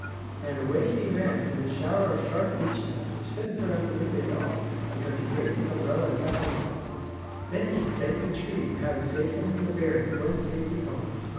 And away he ran from the shower of sharp beech nuts which didn't hurt Uncle Wiggily at all because he raised his umbrella and kept them off. Then he thanked the tree for having saved him from the bear and went safely home.